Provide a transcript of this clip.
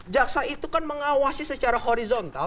jaksa itu kan mengawasi secara horizontal